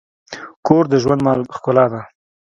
کور د ژوند ښکلا ده.